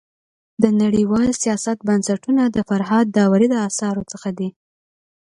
د نړيوال سیاست بنسټونه د فرهاد داوري د اثارو څخه دی.